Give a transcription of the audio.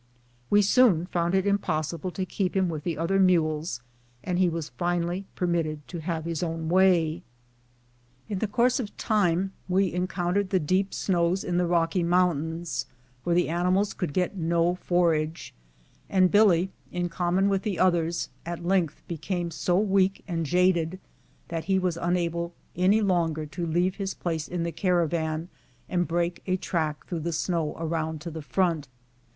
We soon found it impossible to keep him with the other mules, and he was finally permitted to have his own way. 240 BKUTE CONSTANCY. In the course of time we encountered the deep snows in the Eocky Mountains, where the animals could get no for age, and Billy, in common with the others, at length be came so weak and jaded that he was unable any longer to leave his place in the caravan and break a track through the snow around to the front.